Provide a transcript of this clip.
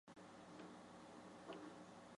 二人为了成为顶尖的音乐家而一同努力。